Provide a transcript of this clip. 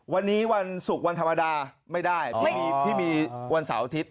วันนี้วันศุกร์วันธรรมดาไม่ได้พี่มีวันเสาร์อาทิตย